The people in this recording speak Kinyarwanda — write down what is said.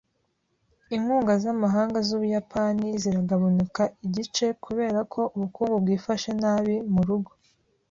Inkunga z’amahanga z’Ubuyapani ziragabanuka igice kubera ko ubukungu bwifashe nabi mu rugo